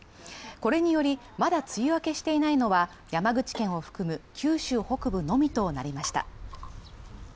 これにより、まだ梅雨明けしていないのは山口県を含む九州北部のみとなりました。